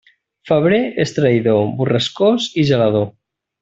Febrer és traïdor, borrascós i gelador.